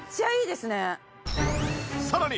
さらに。